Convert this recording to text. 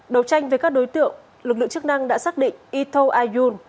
đầu tranh với các đối tượng lực lượng chức năng đã xác định ito ayun